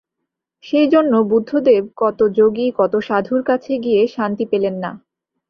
সেই জন্য বুদ্ধদেব কত যোগী, কত সাধুর কাছে গিয়ে শান্তি পেলেন না।